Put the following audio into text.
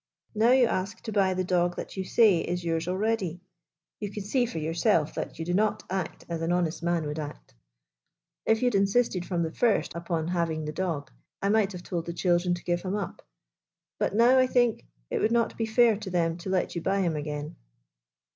Now you ask to buy the dog that you say is yours already. You can see for yourself that you do not act as an honest man would act. If you had insisted from the first upon having the dog, I might have told the children to give him up. But now I think it would not be fair to them to let you buy him again."